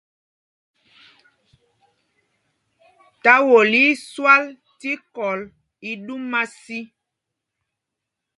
Táwol í í swal tí kɔl í ɗúma sī.